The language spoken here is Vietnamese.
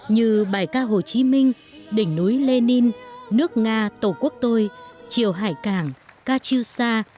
như bài ca hồ chí minh đỉnh núi lê ninh nước nga tổ quốc tôi triều hải cảng ca chiêu sa